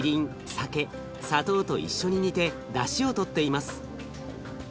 酒砂糖と一緒に煮てだしをとっています。